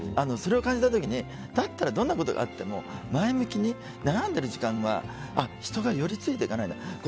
それを感じた時にだったらどんなことがあっても前向きに悩んでいる時間は人が寄りついていかないなと。